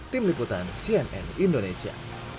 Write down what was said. tim liputan cnn indonesia